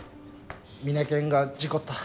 ミネケンが事故った。